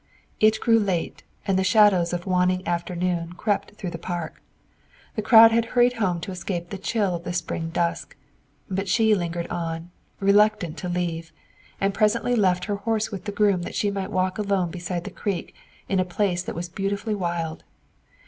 It grew late and the shadows of waning afternoon crept through the park. The crowd had hurried home to escape the chill of the spring dusk, but she lingered on, reluctant to leave, and presently left her horse with the groom that she might walk alone beside the creek in a place that was beautifully wild.